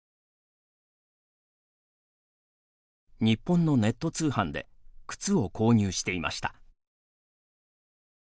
日本のネット通販で靴を購入していました。